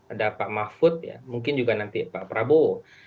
ada pak mahfud mungkin juga nanti pak prabowo